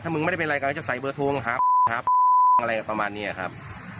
ถ้ามึงไม่ได้เป็นไรก็จะใส่เบอร์โทรหาอะไรประมาณนี้ครับ